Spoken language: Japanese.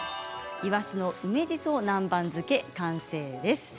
いわしの梅じそ南蛮漬け完成です。